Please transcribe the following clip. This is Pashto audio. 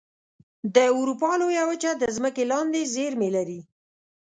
د اروپا لویه وچه د ځمکې لاندې زیرمې لري.